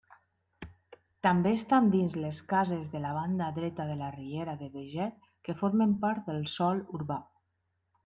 També estan dins les cases de la banda dreta de la riera de Beget que formen part del sòl urbà.